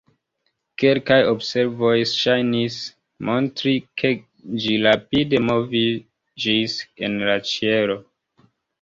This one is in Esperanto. Kelkaj observoj ŝajnis montri, ke ĝi rapide moviĝis en la ĉielo.